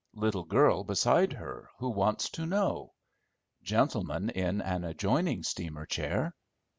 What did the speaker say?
Little girl beside her, who wants to know. Gentleman in an adjoining steamer chair.